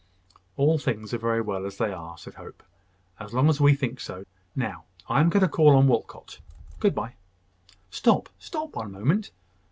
"All things are very well as they are," said Hope, "as long as we think so. Now, I am going to call on Walcot. Good bye." "Stop, stop one moment!